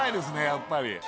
やっぱり。